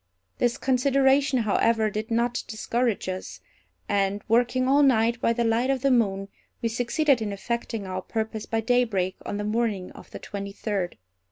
This consideration, however, did not discourage us; and, working all night by the light of the moon, we succeeded in effecting our purpose by daybreak on the morning of the twenty third.